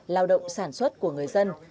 lao động sản xuất của người dân